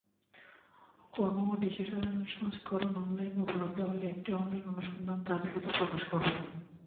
কোনও ডিজিটাল সংস্করণ অনলাইনে উপলব্ধ হলে একটি অনলাইন অনুসন্ধান তা দ্রুত প্রকাশ করবে।